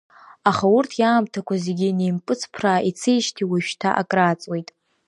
Аха урҭ иаамҭақәа зегьы неимпыҵԥраа ицеижьҭеи уажәшьҭа акрааҵуеит.